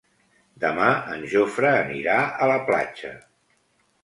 Demà en Jofre anirà a la platja.